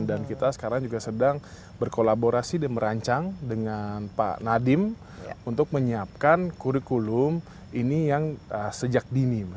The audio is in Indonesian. dan kita sekarang juga sedang berkolaborasi dan merancang dengan pak nadiem untuk menyiapkan kurikulum ini yang sejak dini